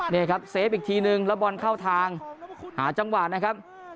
เนี่ยครับอีกทีหนึ่งระบวนเข้าทางหาจังหวะนะครับ